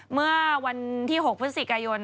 เมื่อวนที่๖เสีย๑๐อายุ